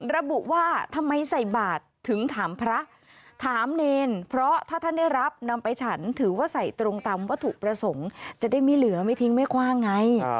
ระบุว่าทำไมใส่บาทถึงถามพระถามเนรเพราะถ้าท่านได้รับนำไปฉันถือว่าใส่ตรงตามวัตถุประสงค์จะได้ไม่เหลือไม่ทิ้งไม่คว่างไง